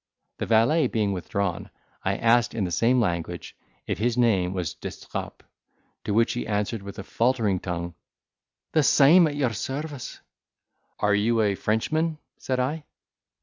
The valet being withdrawn, I asked in the same language if his name was d'Estrapes, to which he answered with a faltering tongue, "The same, at your service." "Are you a Frenchman?" Said I.